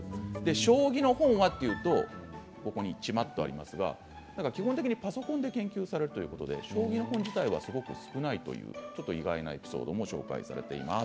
将棋の本はというとちまっとありますが基本的にパソコンで研究されているということで将棋の本自体がすごく少ないという意外なエピソードも紹介されています。